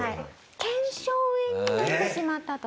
腱鞘炎になってしまったと。